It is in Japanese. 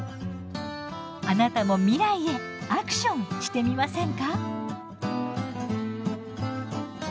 あなたも未来へ「アクション」してみませんか？